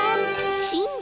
しん